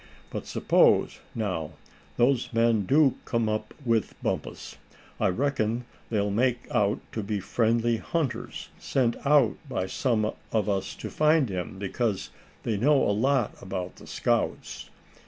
But suppose, now, those men do come up with Bumpus, I reckon they'll make out to be friendly hunters, sent out by some of us to find him; because they know a lot about the scouts.